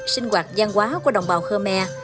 sinh hoạt gian hóa của đồng bào khơ mè